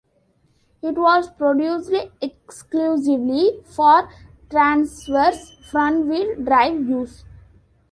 It was produced exclusively for transverse, front-wheel drive use.